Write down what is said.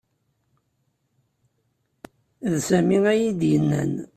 D Sami ay iyi-d-yennan.